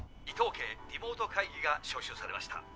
伊藤家リモート会議が招集されました。